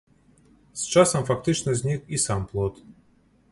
З часам фактычна знік і сам плот.